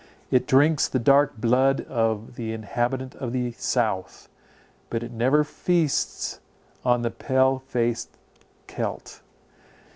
It drinks the dark blood of the inhabitant of the south, but it never feasts on the pale faced Celt.